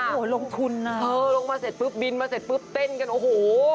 โอ้โหลงทุนนะเออลงมาเสร็จปุ๊บบินมาเสร็จปุ๊บเต้นกันโอ้โห